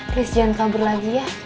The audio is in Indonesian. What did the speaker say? chris jangan kabur lagi ya